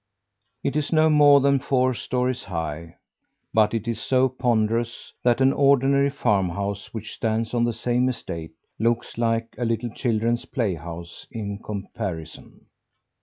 It is not more than four stories high; but it is so ponderous that an ordinary farmhouse, which stands on the same estate, looks like a little children's playhouse in comparison.